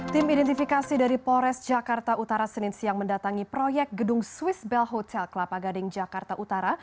tim identifikasi dari polres jakarta utara senin siang mendatangi proyek gedung swiss bell hotel kelapa gading jakarta utara